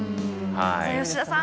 吉田さん